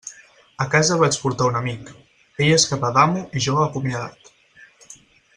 A casa vaig portar un amic; ell es quedà d'amo i jo acomiadat.